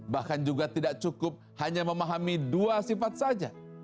bahkan juga tidak cukup hanya memahami dua sifat saja